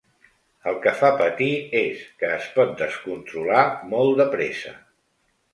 El que fa patir és que es pot descontrolar molt de pressa.